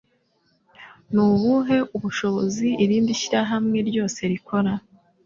Nubuhe ubushobozi irindi shyirahamwe ryose rikora?